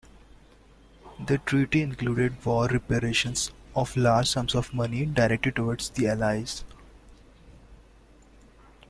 The treaty included 'war reparations' of large sums of money, directed towards the Allies.